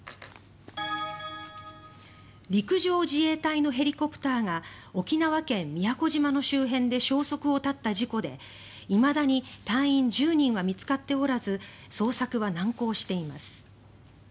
陸上自衛隊のヘリコプターが沖縄県・宮古島の周辺で消息を絶った事故で、いまだに隊員１０人は見つかっておらず捜索は難航しています。